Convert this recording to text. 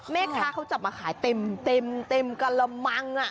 แม่ค้าเขาจับมาขายเต็มกระมัง